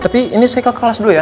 tapi ini saya ke kelas dulu ya